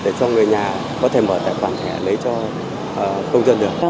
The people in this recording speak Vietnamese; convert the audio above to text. để cho người nhà có thể mở tài khoản thẻ lấy cho công dân được